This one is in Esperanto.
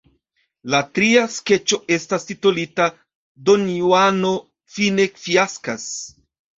La tria skeĉo estas titolita Donjuano fine fiaskas.